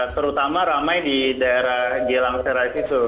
terutama ramai di daerah jelang serais itu